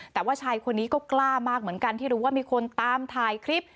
แต่ว่าชายคนนี้ก็กล้ามากเหมือนกันที่รู้ว่ามีคนตามถ่ายคลิป